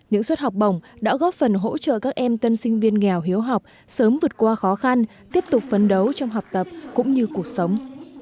những suất học bổng đã góp phần hỗ trợ các em tân sinh viên nghèo hiếu học sớm vượt qua khó khăn tiếp tục phấn đấu trong học tập cũng như cuộc sống